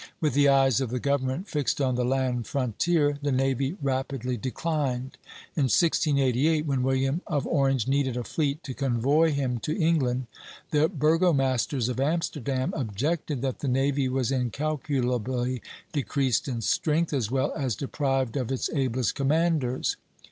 With the eyes of the government fixed on the land frontier, the navy rapidly declined. In 1688, when William of Orange needed a fleet to convoy him to England, the burgomasters of Amsterdam objected that the navy was incalculably decreased in strength, as well as deprived of its ablest commanders.